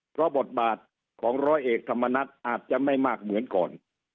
เพราะบทบาทของร้อยเอกธรรมนัฐอาจจะไม่มากเหมือนก่อน